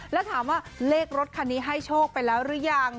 แล้วถามว่าเลขรถคันนี้ให้โชคไปแล้วหรือยัง